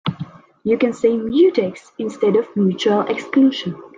You can say mutex instead of mutual exclusion.